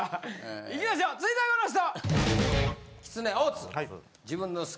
行きましょう続いてはこの人。